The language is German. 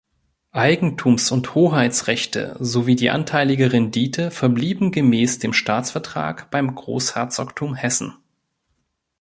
Eigentums- und Hoheitsrechte sowie die anteilige Rendite verblieben gemäß dem Staatsvertrag beim Großherzogtum Hessen.